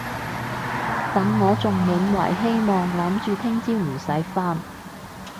等我仲滿懷希望諗住聽朝唔使返